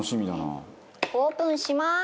オープンします！